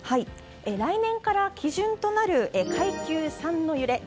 来年から基準となる階級３の揺れ。